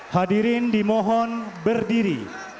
hadirin dimohon berdiri